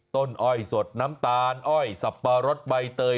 อ้อยสดน้ำตาลอ้อยสับปะรดใบเตย